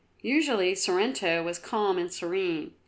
Usually Sorrento was calm and serene.